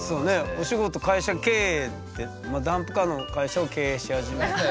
お仕事会社経営ってダンプカーの会社を経営し始めた。